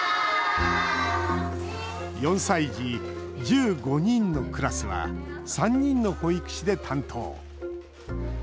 ４歳児、１５人のクラスは３人の保育士で担当。